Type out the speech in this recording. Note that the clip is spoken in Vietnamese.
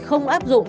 không áp dụng